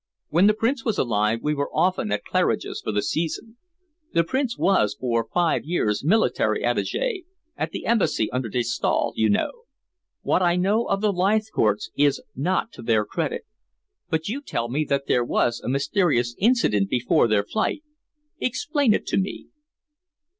When the Prince was alive, we were often at Claridge's for the season. The Prince was for five years military attaché at the Embassy under de Staal, you know. What I know of the Leithcourts is not to their credit. But you tell me that there was a mysterious incident before their flight. Explain it to me."